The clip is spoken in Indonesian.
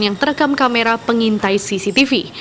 yang terekam kamera pengintai cctv